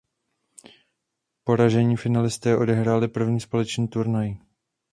Poražení finalisté odehráli první společný turnaj.